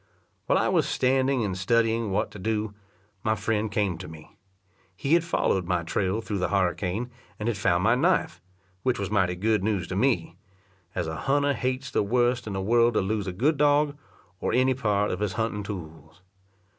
While I was standing and studying what to do, my friend came to me. He had followed my trail through the harricane, and had found my knife, which was mighty good news to me; as a hunter hates the worst in the world to lose a good dog, or any part of his hunting tools.